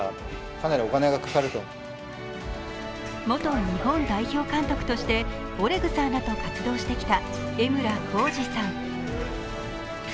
元日本代表監督としてオレグさんらと活動してきた江村宏二さん。